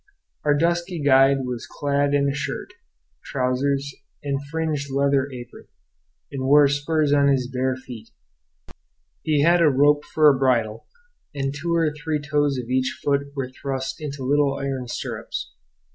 Our dusky guide was clad in a shirt, trousers, and fringed leather apron, and wore spurs on his bare feet; he had a rope for a bridle, and two or three toes of each foot were thrust into little iron stirrups.